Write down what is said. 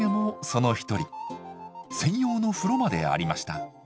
専用の風呂までありました。